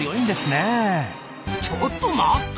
ちょっと待った！